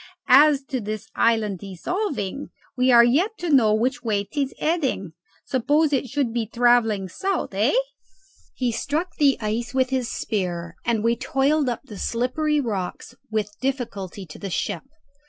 As to this island dissolving, we are yet to know which way 'tis heading. Suppose it should be travelling south, hey!" He struck the ice with his spear, and we toiled up the slippery rocks with difficulty to the ship.